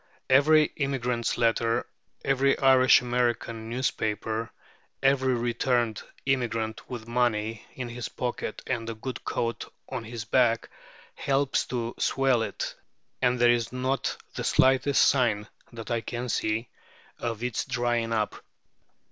Every emigrant's letter, every Irish American newspaper, every returned emigrant with money in his pocket and a good coat on his back, helps to swell it, and there is not the slightest sign, that I can see, of its drying up.